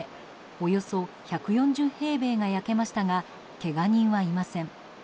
およそ１４０平米が焼けましたがけが人はいません。